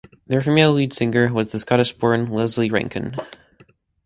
Their female lead singer was Scottish-born Lesley Rankine.